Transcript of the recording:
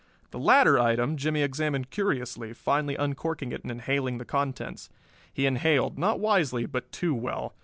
The latter item Jimmie examined curiously, finally uncorking it and inhaling the contents. He inhaled, not wisely but too well.